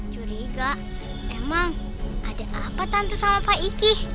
curiga emang ada apa tante sama pak ici